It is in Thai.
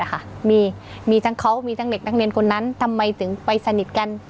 มีทั้งเขามีทั้งเด็กนักเรียนคนนั้นทำไมถึงไปสนิทกัน